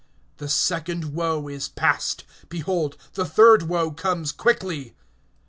(14)The second woe is past; behold, the third woe comes quickly.